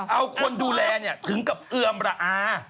เอาคนดูแลถึงกับเอือมระอา